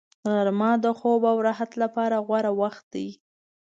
غرمه د خوب او راحت لپاره غوره وخت دی